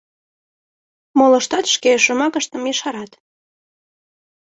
Молыштат шке шомакыштым ешарат.